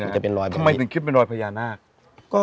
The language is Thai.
ทำไมถึงคิดเป็นรอยพญานาค